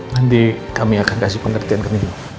nanti kami akan kasih pengertian ke negeri